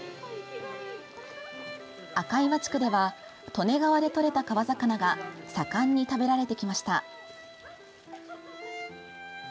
赤岩地区では利根川でとれた川魚が盛んに食べられてきました。